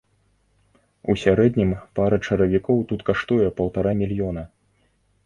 У сярэднім пара чаравікаў тут каштуе паўтара мільёна.